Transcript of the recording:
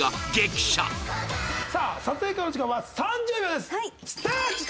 さあ撮影会のお時間は３０秒です！